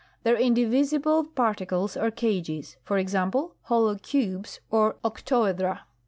Their indivisible particles are cages; for example, hollow cubes or octohedra.